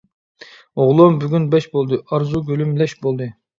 ئوغلۇم بۈگۈن بەش بولدى، ئارزۇ گۈلۈم لەش بولدى.